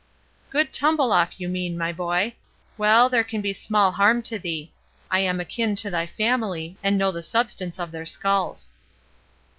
"Good tumble off, you mean, my boy. Well, there can be small harm to thee. I am akin to thy family, and know the substance of their skulls."